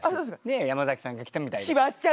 山崎さんが来たみたいで。